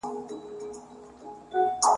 څخه به بله لاره ورته پاته نه وي، ..